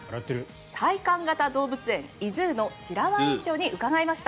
体感型動物園ｉＺｏｏの白輪園長に伺いました。